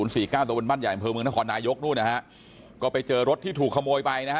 ตะบนบ้านใหญ่อำเภอเมืองนครนายกนู่นนะฮะก็ไปเจอรถที่ถูกขโมยไปนะฮะ